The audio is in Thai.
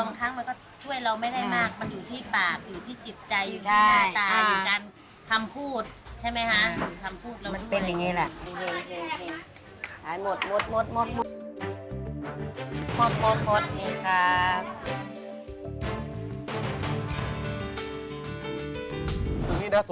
มันก็ช่วยเราไม่ได้มาก